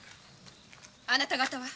あなた方は？